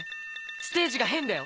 ステージが変だよ！